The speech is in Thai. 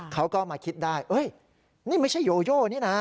เขาก็มาคิดได้นี่ไม่ใช่โยโยนี่นะ